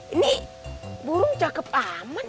ini burung cakep amat